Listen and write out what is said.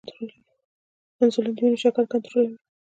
انسولین د وینې شکر کنټرولوي